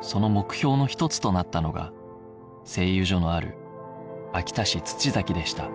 その目標の一つとなったのが製油所のある秋田市土崎でした